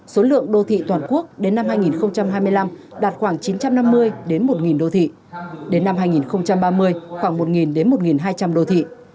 số lượng đô thị toàn quốc đến năm hai nghìn hai mươi năm đạt khoảng chín trăm năm mươi đến một đô thị đến năm hai nghìn ba mươi khoảng một đến một hai trăm linh đô thị